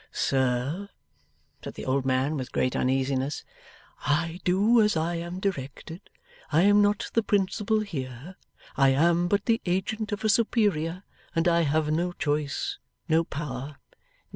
'Sir,' said the old man, with great uneasiness, 'I do as I am directed. I am not the principal here. I am but the agent of a superior, and I have no choice, no power.